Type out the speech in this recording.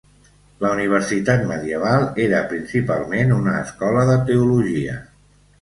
La universitat medieval era principalment una escola de teologia.